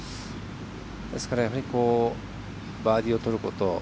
ですから、バーディーをとること。